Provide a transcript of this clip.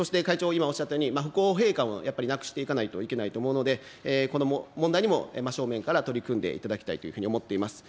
今、おっしゃったように、不公平感をやっぱりなくしていかないといけないと思うので、この問題にも真正面から取り組んでいただきたいというふうに思っています。